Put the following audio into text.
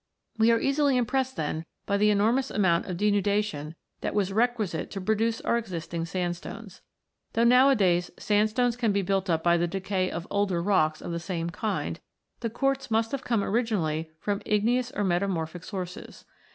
We are easily impressed, then, by the enormous amount of denudation that was requisite to produce our existing sandstones. Though nowadays sandstones can be built up by the decay of older rocks of the same kind, the quartz must have come originally from igneous or metamorphic sources.